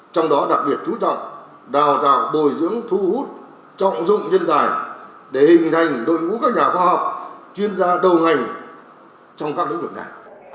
trong đó đặc biệt chú trọng đào tạo bồi dưỡng thu hút trọng dụng nhân tài để hình thành đội ngũ các nhà khoa học chuyên gia đầu ngành trong các lĩnh vực này